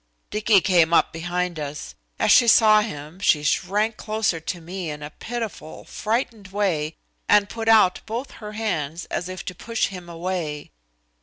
Dicky came up behind us. As she saw him she shrank closer to me in a pitiful, frightened way, and put out both her hands as if to push him away.